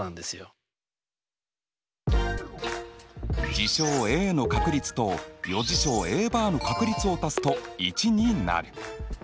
事象Ａの確率と余事象Ａバーの確率を足すと１になる。